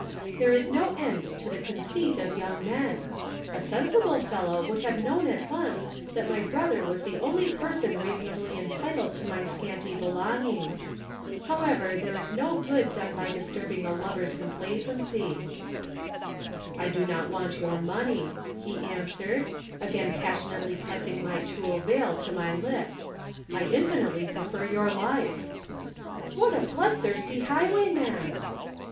There is no end to the conceit of young men. A sensible fellow would have known at once that my brother was the only person reasonably entitled to my scanty belongings. However, there is no good done by disturbing a lover's complacency. "'I do not want your money,' he answered, again passionately pressing my tulle veil to my lips. 'I infinitely prefer your life.' "'What a bloodthirsty highwayman!'